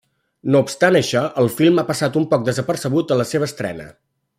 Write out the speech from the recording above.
No obstant això, el film ha passat un poc desapercebut en la seva estrena.